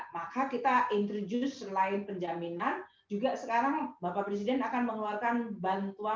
maka kita introduce selain penjaminan juga sekarang bapak presiden akan mengeluarkan bantuan